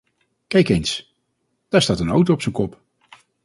Kijk eens, daar staat een auto op zijn kop.